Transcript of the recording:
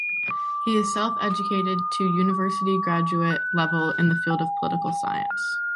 He is self-educated to university graduate level in the field of political science.